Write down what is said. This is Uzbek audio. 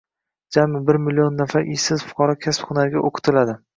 Jami bir million nafar ishsiz fuqaro kasb-hunarlarga o‘qitiladi